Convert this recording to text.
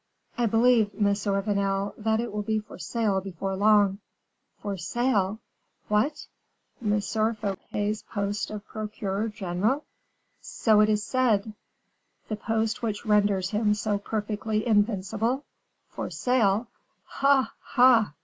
"I believe, Monsieur Vanel, that it will be for sale before long." "For sale! What! M. Fouquet's post of procureur general?" "So it is said." "The post which renders him so perfectly invincible, for sale! Ha, ha!"